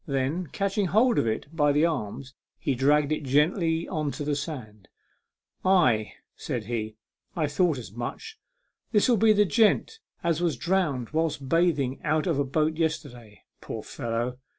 Then, catching hold of it by the arms, he dragged it gently on to the sand. " Ay," said he ;" I thought as much. This'll be the gent as was drowned whilst bathing out of a boat yesterday. Poor fellow